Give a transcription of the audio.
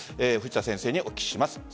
藤田先生にお聞きします。